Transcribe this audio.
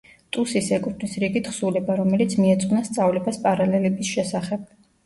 ტუსის ეკუთვნის რიგი თხზულება, რომელიც მიეძღვნა სწავლებას პარალელების შესახებ.